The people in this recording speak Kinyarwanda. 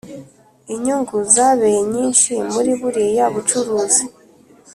inyungu zabeye nyinshi muri buriya bucuruzi